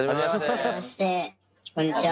こんにちは。